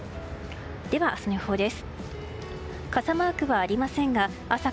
では、明日の予報です。